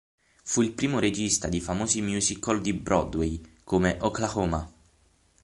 Fu il primo regista di famosi musical di Broadway come "Oklahoma!